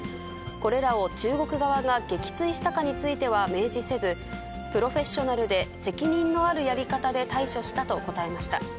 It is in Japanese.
これらを中国側が撃墜したかについては明示せず、プロフェッショナルで責任のあるやり方で対処したと答えました。